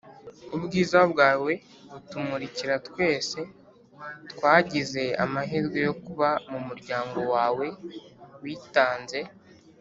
ubwiza bwawe butumurikira twese twagize amahirwe yo kuba mumuryango wawe witanze,